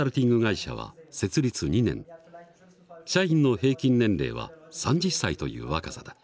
社員の平均年齢は３０歳という若さだ。